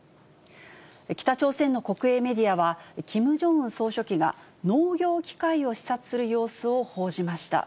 北朝鮮の国営メディアは、キム・ジョンウン総書記が、農業機械を視察する様子を報じました。